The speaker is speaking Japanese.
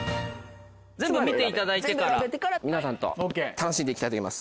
全部見ていただいてから皆さんと楽しんで行きたいと思います。